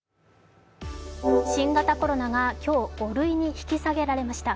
新型コロナが今日５類に引き下げられました。